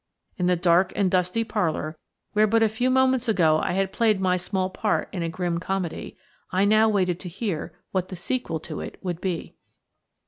In the dark and dusty parlour, where but a few moments ago I had played my small part in a grim comedy, I now waited to hear what the sequel to it would be.